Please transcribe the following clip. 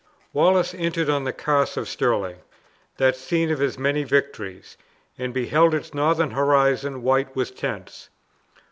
Wallace entered on the Carse of Stirling, that scene of his many victories, and beheld its northern horizon white with tents.